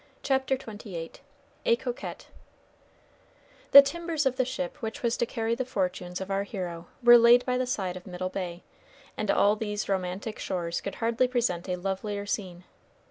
CHAPTER XXVIII A COQUETTE The timbers of the ship which was to carry the fortunes of our hero were laid by the side of Middle Bay, and all these romantic shores could hardly present a lovelier scene.